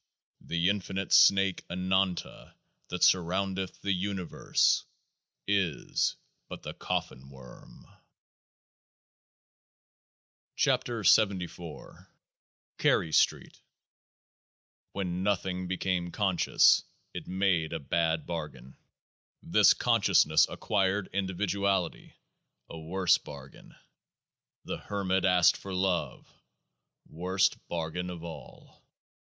37 The Infinite Snake Ananta that surroundeth the Universe is but the Coffin Worm ! 90 KE<t>AAH OA CAREY STREET When NOTHING became conscious, it made a bad bargain. This consciousness acquired individuality : a worse bargain. The Hermit asked for love ; worst bargain of all.